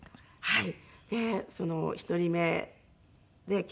はい。